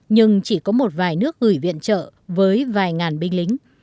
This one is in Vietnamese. nhưng chỉ có một vài nước gửi viện trợ với vài ngàn binh lính